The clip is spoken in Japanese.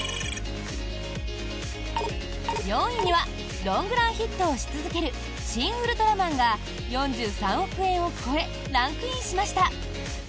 ４位にはロングランヒットをし続ける「シン・ウルトラマン」が４３億円を超えランクインしました。